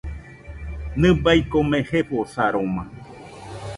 Nɨbai kome jefosaroma.